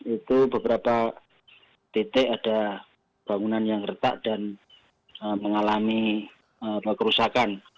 itu beberapa titik ada bangunan yang retak dan mengalami kerusakan